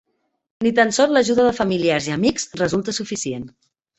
Ni tant sol l'ajuda de familiars i amics resulta suficient.